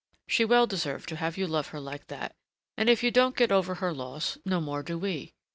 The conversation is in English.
She well deserved to have you love her like that, and if you don't get over her loss, no more do we.